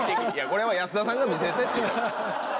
これは安田さんが見せてって言うたんです。